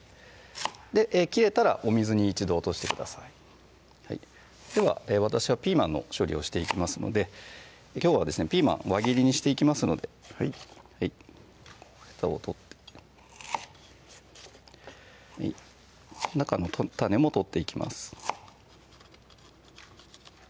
切れたらお水に一度落としてくださいでは私はピーマンの処理をしていきますのできょうはですねピーマン輪切りにしていきますのでヘタを取って中の種も取っていきます